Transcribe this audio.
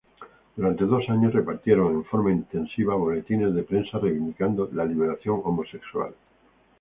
Durante dos años repartieron, en forma intensiva, boletines de prensa reivindicando la liberación homosexual.